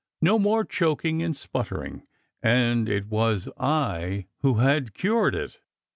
No more choking and spluttering, and it was I who had cured it.